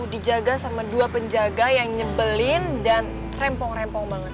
dijaga sama dua penjaga yang nyebelin dan rempong rempong banget